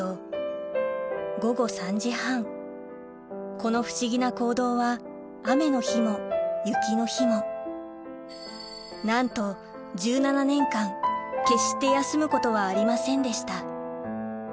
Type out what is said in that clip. この不思議な行動は雨の日も雪の日もなんと決して休むことはありませんでした